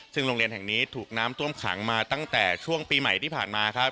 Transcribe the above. ซึ่งโรงเรียนแห่งนี้ถูกน้ำท่วมขังมาตั้งแต่ช่วงปีใหม่ที่ผ่านมาครับ